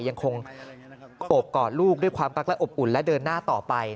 ยังคงโอบกอดลูกด้วยความรักและอบอุ่นและเดินหน้าต่อไป